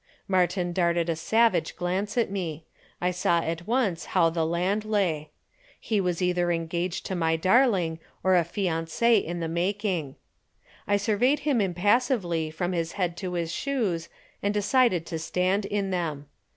Martin darted a savage glance at me. I saw at once how the land lay. He was either engaged to my darling or a fiancé in the making. I surveyed him impassively from his head to his shoes and decided to stand in them.